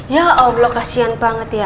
ya om lo kasihan banget ya